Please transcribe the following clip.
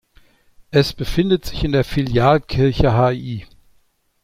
Es befindet sich in der Filialkirche Hl.